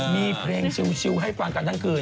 มีเพลงชิวให้ฟังกันทั้งคืน